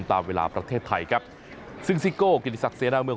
ตามเวลาประเทศไทยครับซึ่งซิโก้กิติศักดิเสนาเมือง